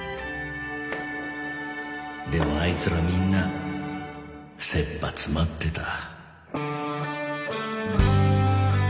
でもあいつらみんな切羽詰まってた